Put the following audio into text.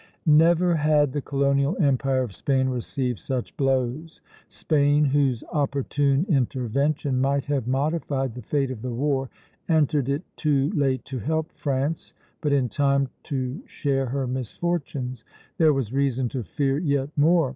"Never had the colonial empire of Spain received such blows. Spain, whose opportune intervention might have modified the fate of the war, entered it too late to help France, but in time to share her misfortunes. There was reason to fear yet more.